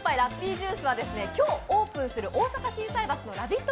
ジュースは、今日、オープンする大阪・心斎橋のラヴィット！